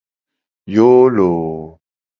Yoo loo.